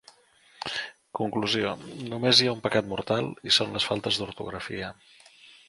Conclusió: només hi ha un pecat mortal, i són les faltes d'ortografia.